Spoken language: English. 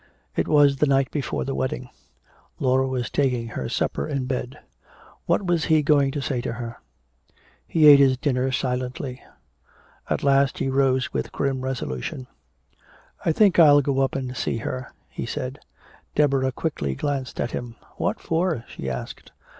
It was the night before the wedding. Laura was taking her supper in bed. What was he going to say to her? He ate his dinner silently. At last he rose with grim resolution. "I think I'll go up and see her," he said. Deborah quickly glanced at him. "What for?" she asked.